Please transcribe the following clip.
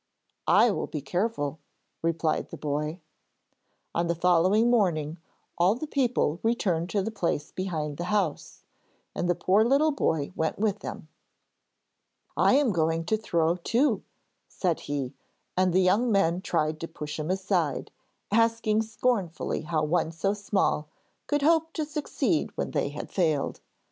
'I will be careful,' replied the boy. On the following morning all the people returned to the place behind the house, and the poor little boy went with them. 'I am going to throw, too,' said he, and the young men tried to push him aside, asking scornfully how one so small could hope to succeed when they had failed.